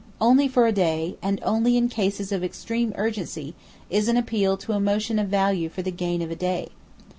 Only for a day, and only in cases of extreme urgency, is an appeal to emotion of value for the gain of a day.